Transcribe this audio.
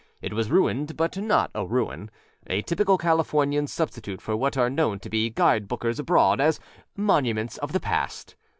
It was ruined, but not a ruinâa typical Californian substitute for what are known to guide bookers abroad as âmonuments of the past.